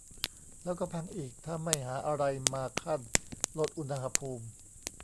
แล้วก็พังอีก ถ้าไม่หาอะไรมาคั่นลดอุณหภูมิ